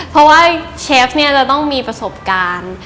เพราะว่าเชฟเนี่ยจะต้องมีประสบการณ์